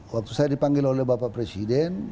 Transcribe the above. waktu saya dipanggil oleh bapak presiden